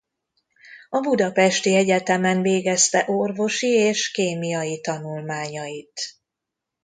A budapesti egyetemen végezte orvosi és kémiai tanulmányait.